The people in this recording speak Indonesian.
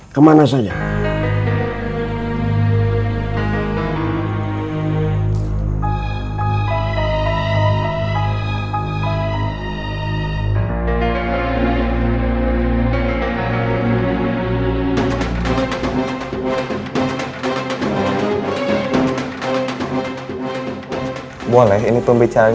kamu selama ini menghilang